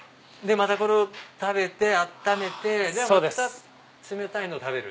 これを食べて温めてまた冷たいのを食べる。